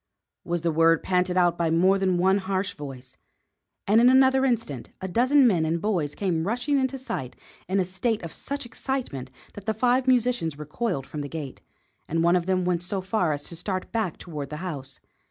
was the word panted out by more than one harsh voice; and in another instant a dozen men and boys came rushing into sight in a state of such excitement that the five musicians recoiled from the gate, and one of them went so far as to start back toward the house.